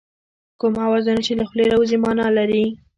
کوم اوازونه چې له خولې راوځي مانا لري